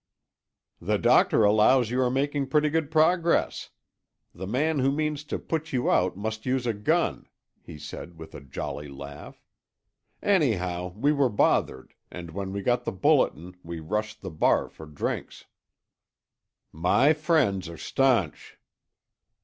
"The doctor allows you are making pretty good progress. The man who means to put you out must use a gun," he said with a jolly laugh. "Anyhow, we were bothered and when we got the bulletin we rushed the bar for drinks." "My friends are stanch."